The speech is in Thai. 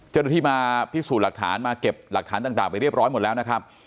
เจ้าหน้าที่มาพิสูจน์หลักฐานมาเก็บหลักฐานต่างไปเรียบร้อยหมดแล้วนะครับ